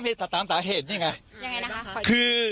แล้วรู้จักกับคุณ